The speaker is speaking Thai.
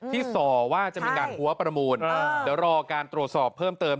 ส่อว่าจะมีการหัวประมูลเดี๋ยวรอการตรวจสอบเพิ่มเติม